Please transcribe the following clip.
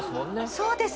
そうです。